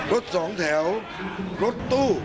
รถสองแถวรถตู้